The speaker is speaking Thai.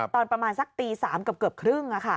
ตอนประมาณสักตีสามเกือบครึ่งอะค่ะ